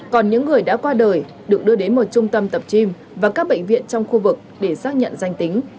còn những người đã qua đời được đưa đến một trung tâm tập chim và các bệnh viện trong khu vực để xác nhận danh tính